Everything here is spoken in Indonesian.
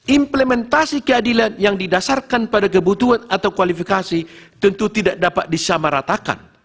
implementasi keadilan yang didasarkan pada kebutuhan atau kualifikasi tentu tidak dapat disamaratakan